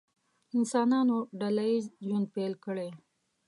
انسانانو ډله ییز ژوند پیل کړی.